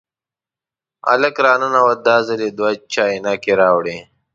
هلک را ننوت، دا ځل یې دوه چاینکې راوړې.